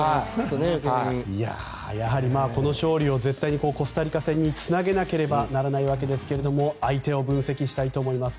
やはりこの勝利を絶対にコスタリカ戦につなげなければいけないわけですが相手を分析したいと思います。